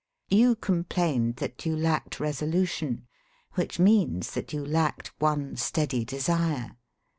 You com plained that you lacked resolution, which means that you lacked one steady desire.